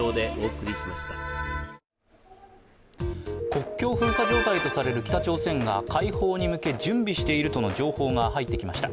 国境封鎖状態とされる北朝鮮が解放に向け準備しているとの情報が入ってきました。